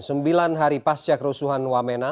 sembilan hari pasca kerusuhan wamena